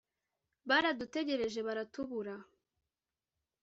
baradutegereje.bara tubura